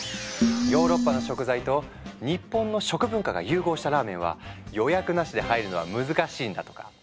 ヨーロッパの食材と日本の食文化が融合したラーメンは予約なしで入るのは難しいんだとか。